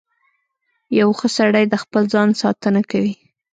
• یو ښه سړی د خپل ځان ساتنه کوي.